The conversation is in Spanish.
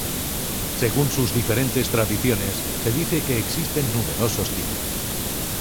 Según las diferentes tradiciones, se dice que existen numerosos tipos.